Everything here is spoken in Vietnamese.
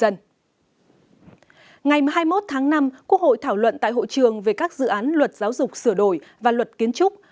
ngày hai mươi một tháng năm quốc hội thảo luận tại hội trường về các dự án luật giáo dục sửa đổi và luật kiến trúc